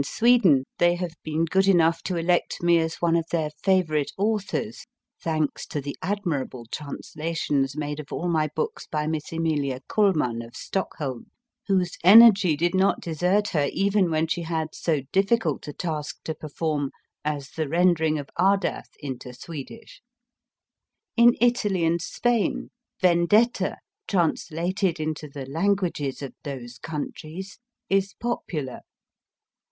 I 4 a ^ < |&^ c/: <_ 3* S ^5 218 MY FIRST BOOK Sweden they have been good enough to elect me as one of their favourite authors, thanks to the admirable translations made of all my books by Miss Emilie Kullmann, of Stock holm, whose energy did not desert her even when she had so difficult a task to perform as the rendering of Ardath into Swedish. In Italy and Spain Vendetta/ translated into the languages of those countries, is popular.